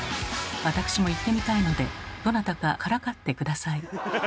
私も言ってみたいのでどなたかからかって下さい。